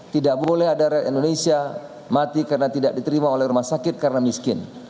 tidak boleh ada rakyat indonesia mati karena tidak diterima oleh rumah sakit karena miskin